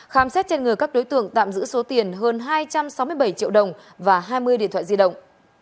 khám xét trên người các đối tượng tạm giữ số tiền hơn hai trăm sáu mươi bảy triệu đồng và hai mươi điện thoại di động